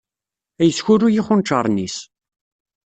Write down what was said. Ad yeskuruy ixunčaren-is.